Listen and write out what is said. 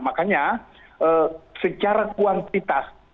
makanya secara kuantitas